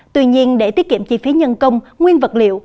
tuy nhiên để tiết kiệm chi phí nhân công nguyên vật liệu